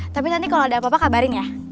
tapi nanti kalau ada apa apa kabarin ya